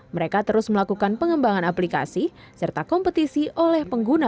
mereka terus melakukan pengembangan aplikasi serta kompetisi oleh pengguna